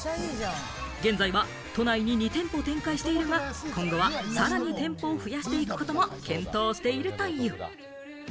現在は都内に２店舗展開しているが、今後はさらに店舗を増やしていくことも検討しているという。